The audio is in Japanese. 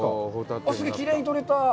きれいに取れた。